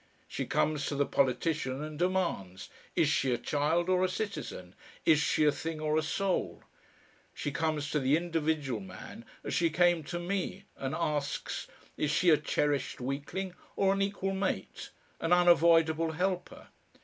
She comes to the politician and demands, Is she a child or a citizen? Is she a thing or a soul? She comes to the individual man, as she came to me and asks, Is she a cherished weakling or an equal mate, an unavoidable helper?